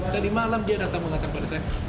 tadi malam dia datang mengatakan pada saya